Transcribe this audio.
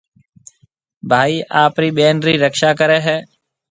ڀائي آپرِي ٻين رِي رڪشا ڪريَ هيَ۔